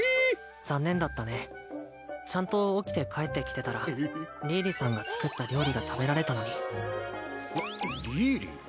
残念だったねちゃんと起きて帰ってきてたらリーリさんが作った料理が食べられたのにリーリ？